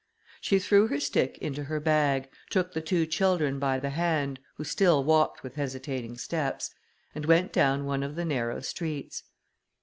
She threw her stick into her bag, took the two children by the hand, who still walked with hesitating steps, and went down one of the narrow streets.